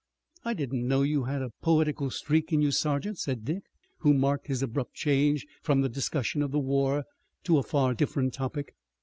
"I didn't know you had a poetical streak in you, sergeant," said Dick, who marked his abrupt change from the discussion of the war to a far different topic.